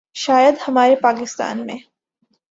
شاید ہمارے پاکستان میں